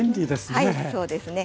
はいそうですね。